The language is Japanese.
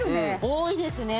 多いですね。